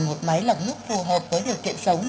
một máy lọc nước phù hợp với điều kiện sống